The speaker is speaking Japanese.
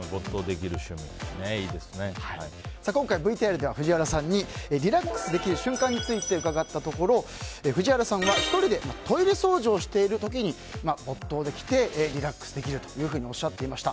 今回、ＶＴＲでは藤原さんにリラックスできる瞬間について伺ったところ藤原さんは１人でトイレ掃除をしている時に没頭できて、リラックスできるとおっしゃっていました。